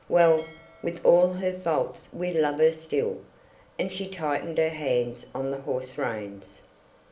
"Well, with all her faults we love her still," and she tightened her hands on the horse reins.